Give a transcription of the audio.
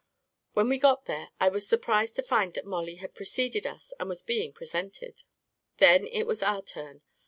When we got there, I was surprised to find that Mollie had preceded us and was being presented. Then it was our turn.